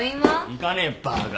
行かねえよバカ。